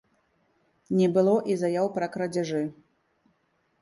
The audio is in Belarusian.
Не было і заяў пра крадзяжы.